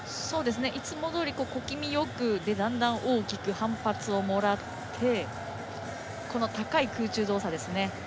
いつもどおり小気味よくだんだん大きく反発をもらって高い空中動作ですね。